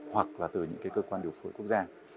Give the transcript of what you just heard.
hoặc là từ những cái cơ quan điều phối quốc gia